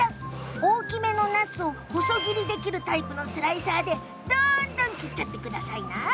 大きめのなすを細切りできるタイプのスライサーでどんどん切ってくださいな。